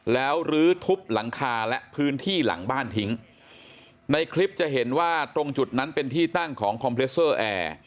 แล้วลื้อทุบหลังคาและพื้นที่หลังบ้านทิ้งในคลิปจะเห็นว่าตรงจุดนั้นเป็นที่ตั้งของคอมเลสเซอร์แอร์